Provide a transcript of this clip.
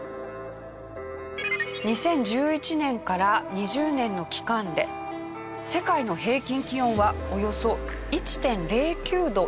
２０１１年から２０２０年の期間で世界の平均気温はおよそ１．０９度上昇したそうです。